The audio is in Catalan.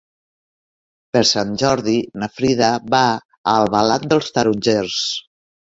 Per Sant Jordi na Frida va a Albalat dels Tarongers.